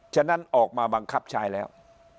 ฉะนั้นออกมาบังคับใช้แล้ว